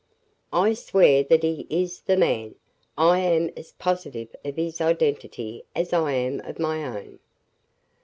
"I swear that he is the man. I am as positive of his identity as I am of my own."